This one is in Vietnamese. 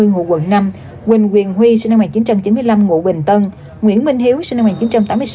ngụ quận năm quỳnh quyền huy sinh năm một nghìn chín trăm chín mươi năm ngụ bình tân nguyễn minh hiếu sinh năm một nghìn chín trăm tám mươi sáu